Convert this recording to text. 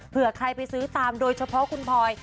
เพื่อใครไปซื้อตามโดยเฉพาะคุณพลอย